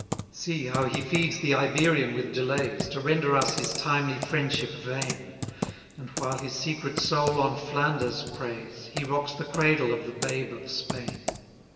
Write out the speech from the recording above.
8 See how he feeds the Iberian with delays, To render us his timely friendship vain: And while his secret soul on Flanders preys, He rocks the cradle of the babe of Spain.